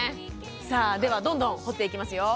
さあではどんどん掘っていきますよ。